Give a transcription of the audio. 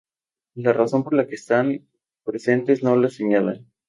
La razón por la que están tan presentes no la señalan